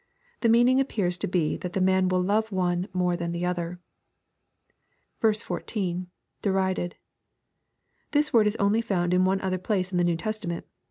The meaning appears to be that the man will love one more than the other. 14. — [Derided.] This word is only found in one other place in the New Testament.